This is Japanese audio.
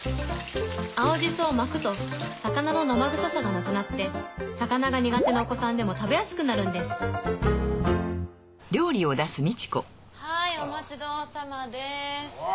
青しそを巻くと魚の生臭さがなくなって魚が苦手なお子さんでも食べやすくなるんですはいお待ちどおさまです。